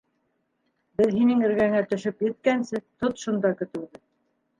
— Беҙ һинең эргәңә төшөп еткәнсе тот шунда көтөүҙе.